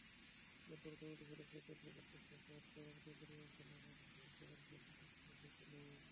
এরপর কমিটির সদস্যদের শপথবাক্য পাঠ করান কেন্দ্রীয় খেলাঘর আসরের সাধারণ সম্পাদক মোখলেছুর রহমান।